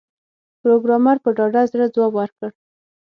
پروګرامر په ډاډه زړه ځواب ورکړ